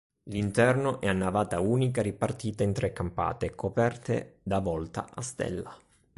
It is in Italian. L'interno è a navata unica, ripartita in tre campate coperte da volta a stella.